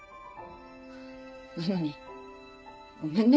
なのにごめんね